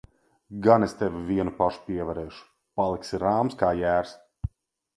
Gan es tevi vienu pašu pievarēšu! Paliksi rāms kā jērs.